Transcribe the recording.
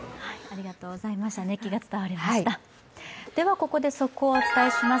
ここで速報をお伝えします。